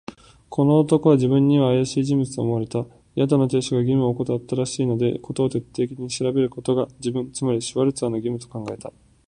この男は自分にはあやしい人物と思われた。宿の亭主が義務をおこたったらしいので、事を徹底的に調べることが、自分、つまりシュワルツァーの義務と考えた。